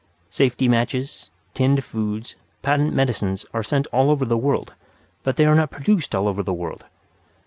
Safety matches, tinned foods, patent medicines are sent all over the world; but they are not produced all over the world.